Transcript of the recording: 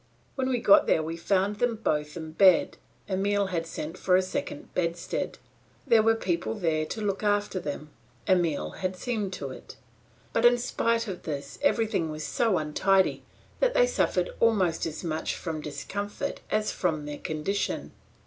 When we got there we found them both in bed Emile had sent for a second bedstead; there were people there to look after them Emile had seen to it. But in spite of this everything was so untidy that they suffered almost as much from discomfort as from their condition.